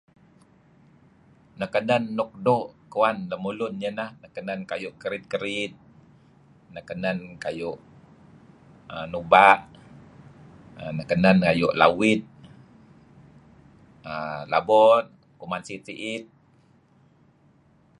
Nuk kenan nuk doo' kuwan lemulun neh nuk kenen kayu' kerid kerid nuk kenen kayu' nuba' nuk kenen kayu' lawid err labo kuman si'it-si'it